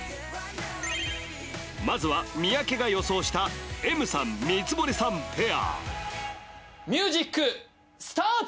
まずは三宅が予想したエムさん三堀さんペアミュージックスタート！